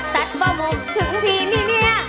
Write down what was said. ดันป้องมุ่งถึงทิ์ในเมีย